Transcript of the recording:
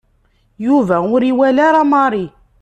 Yuba ur iwala ara Mary.